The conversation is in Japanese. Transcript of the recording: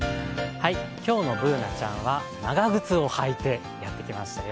今日のＢｏｏｎａちゃんは長靴を履いてやってきましたよ。